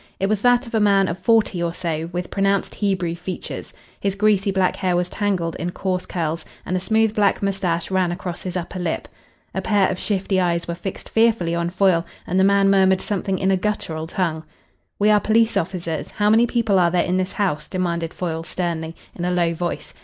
It was that of a man of forty or so, with pronounced Hebrew features. His greasy black hair was tangled in coarse curls, and a smooth black moustache ran across his upper lip. A pair of shifty eyes were fixed fearfully on Foyle, and the man murmured something in a guttural tongue. "We are police officers. How many people are there in this house?" demanded Foyle sternly, in a low voice.